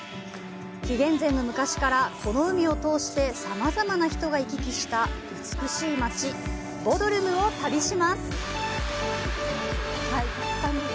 紀元前の昔から、この海を通してさまざまな人が行き来した美しい街ボドルムを旅します。